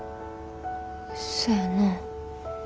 そやなぁ。